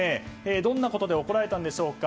どんなことで怒られたんでしょうか。